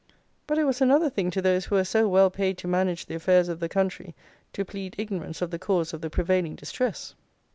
But it was another thing to those who were so well paid to manage the affairs of the country to plead ignorance of the cause of the prevailing distress.